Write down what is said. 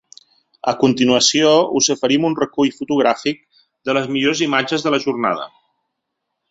A continuació us oferim un recull fotogràfic amb les millors imatges de la jornada.